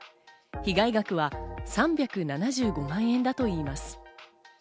被害額は３７５万円だといいます。